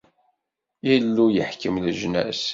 Illu yeḥkem leǧnas.